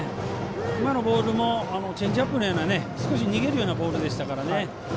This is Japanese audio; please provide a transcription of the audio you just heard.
今のボールもチェンジアップのような逃げるようなボールでしたから。